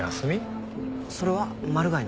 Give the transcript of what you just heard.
それはマル害の？